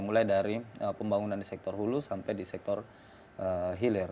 mulai dari pembangunan di sektor hulu sampai di sektor hilir